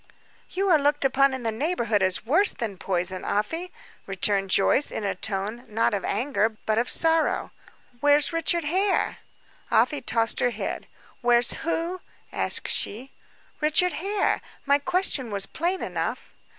"You are looked upon in the neighborhood as worse than poison, Afy," returned Joyce, in a tone, not of anger but of sorrow. "Where's Richard Hare?" Afy tossed her head. "Where's who?" asked she. "Richard Hare. My question was plain enough."